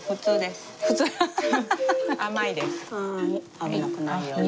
危なくないように。